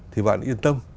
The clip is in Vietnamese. thì bạn yên tâm